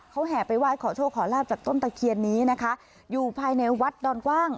เขาแห่ไปไห้ขอโชคขอลาบจากต้นตะเคียนนี้นะคะอยู่ภายในวัดดอนกว้าง